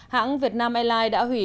hãng vietnam airlines đã hủy